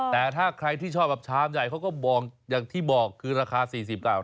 แต่ถ้าใครที่ชอบแบบชามใหญ่เขาก็บอกอย่างที่บอกคือราคา๔๐บาท